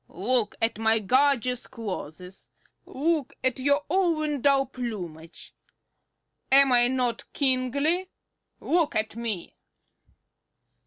Look at my gorgeous clothes; look at your own dull plumage. Am I not kingly? look at me."